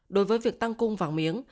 đối với việc tăng cung vàng miếng